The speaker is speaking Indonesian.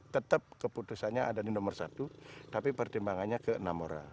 tetap keputusannya ada di nomor satu tapi pertimbangannya ke enam orang